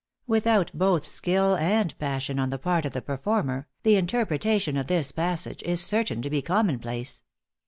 Without both skill and passion on the part of the performer the interpretation of this passage is certain to be commonplace.